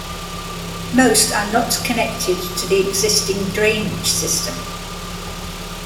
Most are not connected to the existing drainage system.